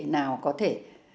nào có thể